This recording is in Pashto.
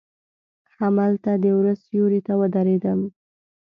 هملته د وره سیوري ته ودریدم.